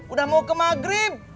udah mau ke maghrib